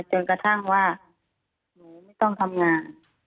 จนกระทั่งว่าหนูไม่ต้องทำงาน